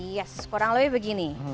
yes kurang lebih begini